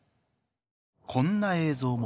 こんな映像も。